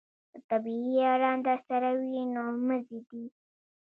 د طبې یاران درسره وي نو مزې دي.